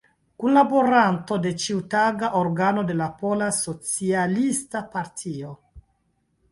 Kunlaboranto de ĉiutaga organo de la Pola Socialista Partio.